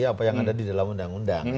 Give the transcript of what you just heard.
apa yang ada di dalam undang undang